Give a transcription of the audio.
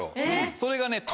それがね。